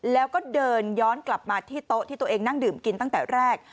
แล้วก็เดินย้อนกลับมาที่โต๊ะที่ตัวเองนั่งดื่มกินตั้งแต่แรก